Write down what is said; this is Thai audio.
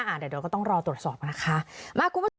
อ่าเดี๋ยวเดี๋ยวก็ต้องรอตรวจสอบนะคะมา